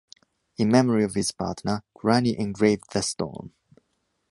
In memory of his partner, Grani engraved the stone.